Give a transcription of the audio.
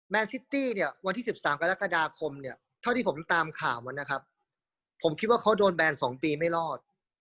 ซิตี้เนี่ยวันที่๑๓กรกฎาคมเนี่ยเท่าที่ผมตามข่าวมานะครับผมคิดว่าเขาโดนแบน๒ปีไม่รอด